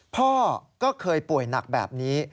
พ่อก็เคยป่วยหนักแบบนี้